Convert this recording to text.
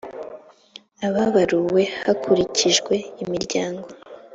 ababaruwe hakurikijwe imiryango